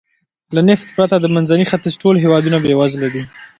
له نفت پرته د منځني ختیځ ټول هېوادونه بېوزله دي.